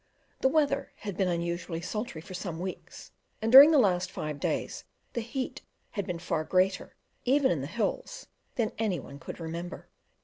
The weather had been unusually sultry for some weeks, and during the last five days the heat had been far greater, even in the hills, than anyone could remember.